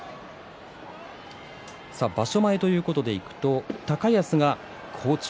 場所前ということでいくと高安が好調。